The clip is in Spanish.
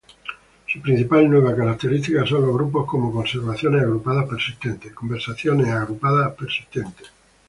Su principal nueva característica son los grupos, como conversaciones agrupadas persistentes.